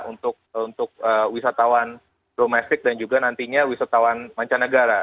untuk wisatawan domestik dan juga nantinya wisatawan mancanegara